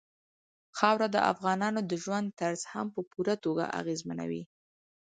خاوره د افغانانو د ژوند طرز هم په پوره توګه اغېزمنوي.